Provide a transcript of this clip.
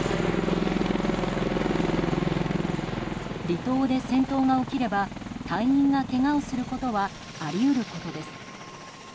離島で戦闘が起きれば隊員がけがをすることはあり得ることです。